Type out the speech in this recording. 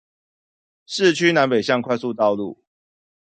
市區南北向快速道路